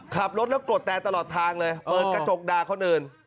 ขับรถแล้วกดแต่ตลอดทางเลยเปิดกระจกด่าคนอื่น